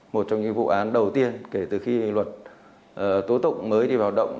một trong những vụ án đầu tiên kể từ khi luật tố tụng mới đi vào động